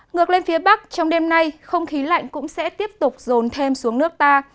ngược lên phía bắc trong đêm nay không khí lạnh cũng sẽ tiếp tục rồn thêm xuống nước ta